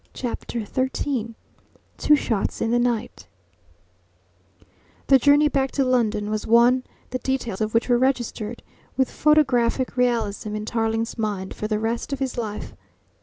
CHAPTER XIII TWO SHOTS IN THE NIGHT The journey back to London was one the details of which were registered with photographic realism in Tarling's mind for the rest of his life.